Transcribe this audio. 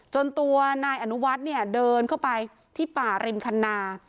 จนตัวนายอนุวัฒน์เดินเข้าไปที่ป่าริมคณา